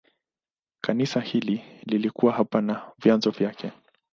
Kanisa hili lilikuwa hapa na vyanzo vyake.